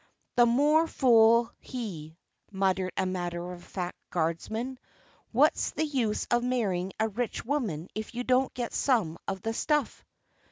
"The more fool he," muttered a matter of fact guardsman. "What's the use of marrying a rich woman if you don't get some of the stuff?"